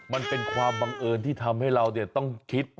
มันเป็นความบังเอิญที่ทำให้เราต้องคิด